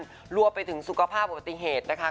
ก็ลงไปถึงสุขภาพปฏิเทศนะคะ